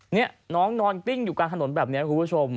นี่น้องนอนกลิ้งอยู่กลางถนนแบบนี้คุณผู้ชม